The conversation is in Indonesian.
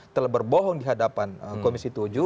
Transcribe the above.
telah berbohong di hadapan komisi tujuh